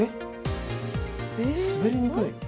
滑りにくい。